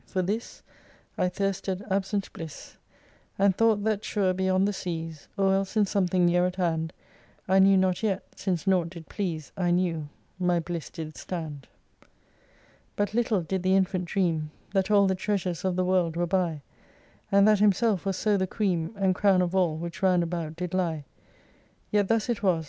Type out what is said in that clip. For this I thirsted absent bliss, And thought that sure beyond the seas, Or else in something near at hand I knew not yet, (since nought did please I knew,) my bliss did stand. 4 But little did the Infant dream That all the treasures of the World were by And that himself was so the cream And crown of all, which round about did lie Yet thus it was.